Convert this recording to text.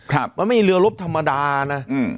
ครับมันไม่ใช่เรือลบธรรมดานะอืม